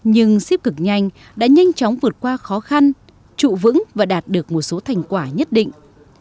nhưng xip cực nhanh đã nhanh chóng vượt qua khó khăn trụ vững và đạt được một số thành quả nhất định